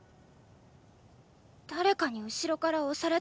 誰かに後ろから押されたの！